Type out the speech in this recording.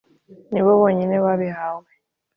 ni bo bonyine babihawe